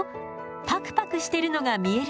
パクパクしてるのが見えるでしょ？